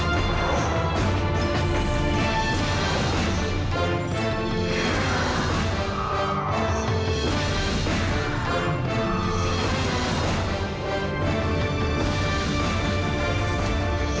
ชิงพื้นที่ขาวชิงพื้นที่ขาวน่าจะมองแค่นั้นก็ได้